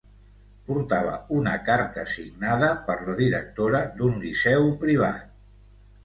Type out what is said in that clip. Portava una carta signada per la directora d’un liceu privat.